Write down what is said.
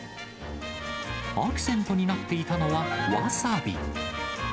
アクセントになっていたのは、わさび。